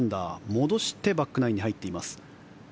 戻してバックナインに入っています。